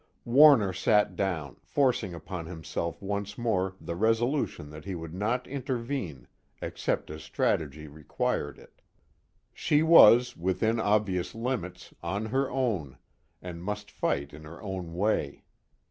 _ Warner sat down, forcing upon himself once more the resolution that he would not intervene except as strategy required it. She was, within obvious limits, on her own, and must fight in her own way.